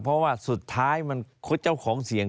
เพราะว่าสุดท้ายมันคดเจ้าของเสียง